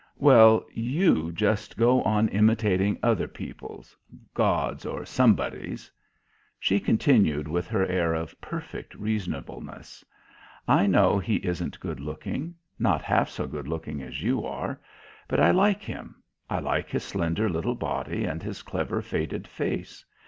"Well, you just go on imitating other people's God's or somebody's." She continued with her air of perfect reasonableness. "I know he isn't good looking. Not half so good looking as you are. But I like him. I like his slender little body and his clever, faded face.